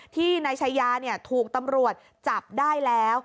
ที่นายชายาถูกตำรวจจับได้แล้ว